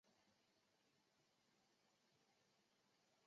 该宣言是首部俄罗斯宪法的前身。